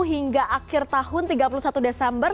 hingga akhir tahun tiga puluh satu desember